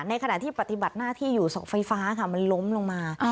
ในขณะที่ปฏิบัติน่าที่อยู่ส่องไฟฟ้ามันล้มลงมา